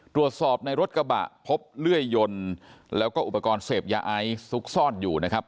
ตรวจสอบในรถกระบะพบเลื่อยยนต์แล้วก็อุปกรณ์เสพยาไอซุกซ่อนอยู่นะครับ